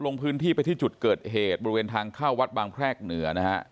ลงพื้นที่ไปที่จุดเกิดเหตุบริเวณทางเข้าวัดบางแพรกเหนือนะฮะ